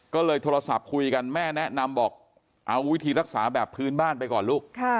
ก็เลยโทรศัพท์คุยกันแม่แนะนำบอกเอาวิธีรักษาแบบพื้นบ้านไปก่อนลูก